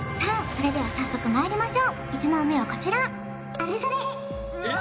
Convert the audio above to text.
それでは早速まいりましょう１問目はこちらうわ